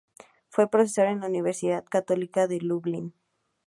Fue profesor en la Universidad Católica de Lublin.